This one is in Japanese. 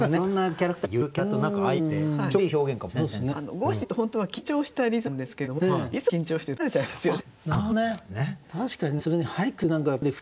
五七五って本当は緊張したリズムなんですけれどもいつも緊張してると疲れちゃいますよね？